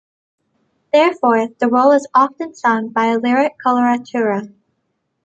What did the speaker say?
Therefore, the role is often sung by a lyric coloratura.